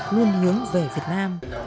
luôn hướng về việt nam